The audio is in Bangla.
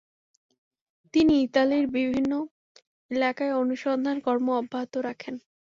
তিনি ইতালির বিভিন্ন এলাকায় অনুসন্ধান কর্ম অব্যাহত রাখেন।